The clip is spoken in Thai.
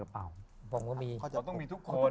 ก็ต้องมีทุกคน